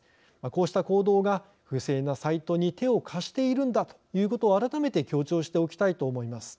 こうした行動が不正なサイトに手を貸しているんだということを改めて強調しておきたいと思います。